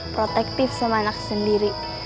protektif sama anak sendiri